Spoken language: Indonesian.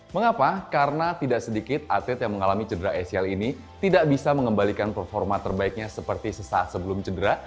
mengapa karena tidak sedikit atlet yang mengalami cedera acl ini tidak bisa mengembalikan performa terbaiknya seperti sesaat sebelum cedera